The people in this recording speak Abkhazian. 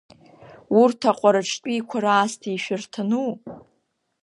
Урҭ, аҟәараҿтәиқәа раасҭа ишәарҭану?